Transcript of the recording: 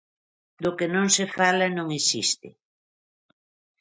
Do que non se fala non existe.